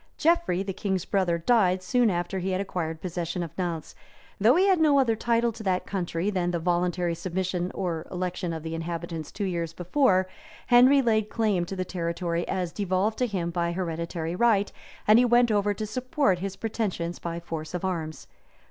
Geoffrey, the king's brother, died soon after he had acquired possession of Nantz; though he had no other title to that county than the voluntary submission or election of the inhabitants two years before, Henry laid claim to the territory as devolved to him by hereditary right, and he went over to support his pretensions by force of arms.